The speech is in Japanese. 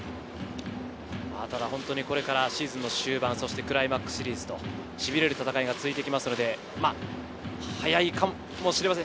これからシーズンの終盤、そしてクライマックスシリーズとしびれる戦いが続いていきますので、速いかもしれません。